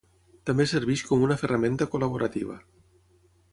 També serveix com una ferramenta col·laborativa.